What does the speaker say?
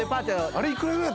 あれ幾らぐらい？